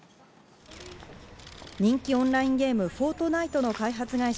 人気オンラインゲーム『フォートナイト』の開発会社